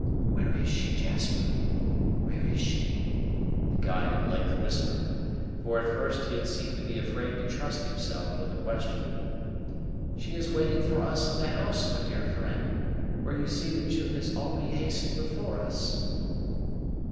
"Where is she, Jasper? Where is she?" the guide at length whispered, for at first he had seemed to be afraid to trust himself with the question. "She is waiting for us in the house, my dear friend, where you see that June has already hastened before us."